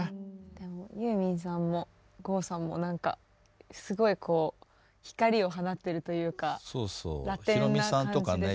でもユーミンさんも郷さんも何かすごいこう光を放ってるというかラテンな感じですよね。